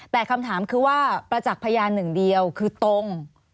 แต่คำถามคือว่าประจักษ์พยานหนึ่งเดียวคือตรง